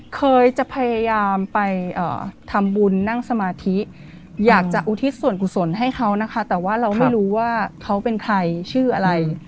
เคยจะพยายามไปทำบุญนั่งสมาธิอยากจะอุทิศส่วนกุศลให้เขานะคะแต่ว่าเราไม่รู้ว่าเขาเป็นใครชื่ออะไร